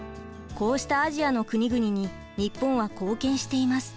こうしたアジアの国々に日本は貢献しています。